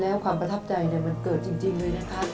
แล้วความประทับใจเนี่ยมันเกิดจริงเลยนะคะ